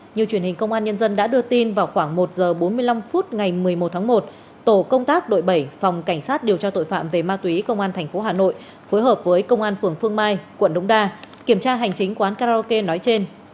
như truyền hình công an nhân dân đã đưa tin vào khoảng một h bốn mươi năm phút ngày một mươi một tháng một tổ công tác đội bảy phòng cảnh sát điều tra tội phạm về ma túy công an tp hà nội phối hợp với công an phường phương mai quận đống đa kiểm tra hành chính quán karaoke nói trên